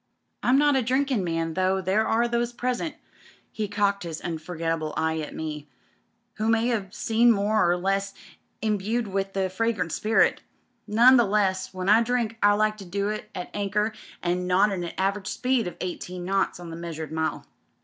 I'm not a drinkin' man. though there are those present" — ^he cocked his unfor 330 TRAFFICS AND DISCOVERIES getable eye at me — ^''who may have seen me more or less imbued with the fragrant spirit. None the less, when I drink I like to do it at anchor an' not at an average speed of eighteen knots on the measured mile.